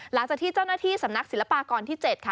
หลังจากที่เจ้าหน้าที่สำนักศิลปากรที่๗ค่ะ